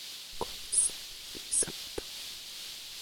kon sewi li sama tawa mi.